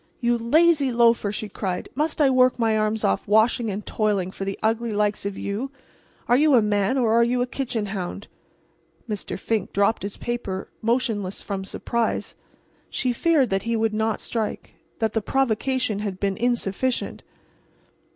"You lazy loafer!" she cried, "must I work my arms off washing and toiling for the ugly likes of you? Are you a man or are you a kitchen hound?" Mr. Fink dropped his paper, motionless from surprise. She feared that he would not strike—that the provocation had been insufficient.